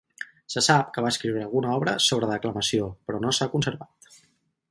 Se sap que va escriure alguna obra sobre declamació però no s'ha conservat.